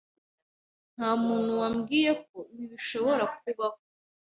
Nta muntu wambwiye ko ibi bishobora kubaho.